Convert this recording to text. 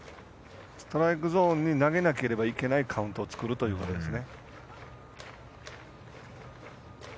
ストライクゾーンに投げないといけないカウントを作るということですね。